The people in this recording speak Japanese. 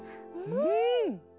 うん！